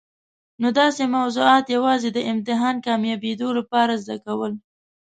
نو داسي موضوعات یوازي د امتحان کامیابېدو لپاره زده کول.